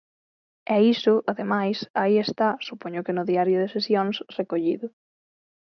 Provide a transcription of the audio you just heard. E iso, ademais, aí está -supoño que no Diario de Sesións- recollido.